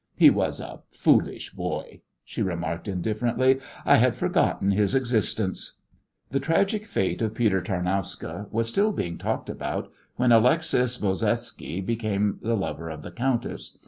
"He was a foolish boy," she remarked indifferently. "I had forgotten his existence." The tragic fate of Peter Tarnowska was still being talked about when Alexis Bozevsky became the lover of the countess.